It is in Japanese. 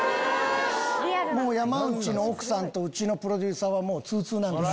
山内の奥さんとうちのプロデューサーはもうツウツウなんですよ。